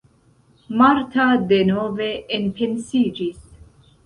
Marta denove enpensiĝis.